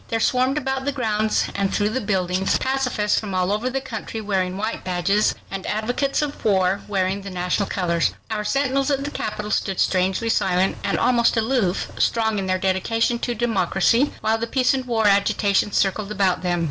There swarmed about the grounds and through the buildings pacifists from all over the country wearing white badges, and advocates of war, wearing the national colors. Our sentinels at the Capitol stood strangely silent, and almost aloof, strong in their dedication to democracy, while the peace and war agitation circled about them.